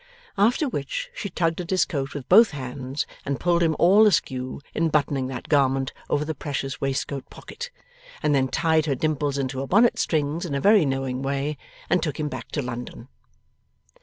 After which, she tugged at his coat with both hands, and pulled him all askew in buttoning that garment over the precious waistcoat pocket, and then tied her dimples into her bonnet strings in a very knowing way, and took him back to London.